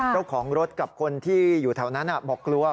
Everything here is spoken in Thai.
เจ้าของรถกับคนที่อยู่แถวนั้นบอกกลัว